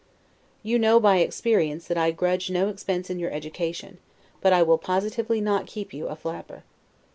You know, by experience, that I grudge no expense in your education, but I will positively not keep you a Flapper.